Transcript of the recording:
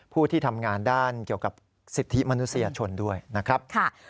ผู้ที่ทำงานด้านเกี่ยวกับสิทธิมนุษยชนด้วยนะครับ